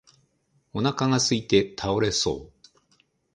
お腹がすいて倒れそう